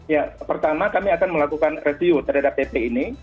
ya pertama kami akan melakukan review terhadap pp ini